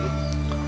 itu mereka ngapain